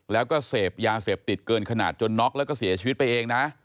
แล้วก็เสพยาเสพติดเกินขนาดจนน็อกแล้วก็เสียชีวิตไปเองนะ